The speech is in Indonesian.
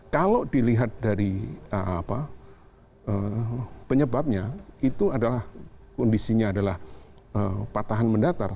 kalau dilihat dari penyebabnya itu adalah kondisinya adalah patahan mendatar